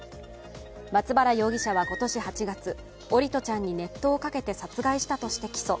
松原容疑者は今年８月、桜利斗ちゃんに熱湯をかけて殺害したとして起訴。